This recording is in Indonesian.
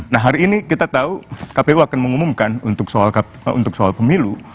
nah hari ini kita tahu kpu akan mengumumkan untuk soal pemilu